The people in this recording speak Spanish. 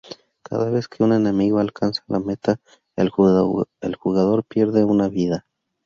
Cada vez que un enemigo alcanza la meta el jugador pierde una vida.